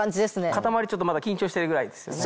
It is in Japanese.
肩回りちょっとまだ緊張してるぐらいですよね。